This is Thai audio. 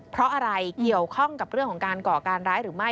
เพราะอะไรเกี่ยวข้องกับเรื่องของการก่อการร้ายหรือไม่